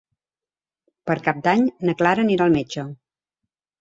Per Cap d'Any na Clara anirà al metge.